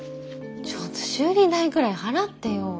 ちょっと修理代くらい払ってよ！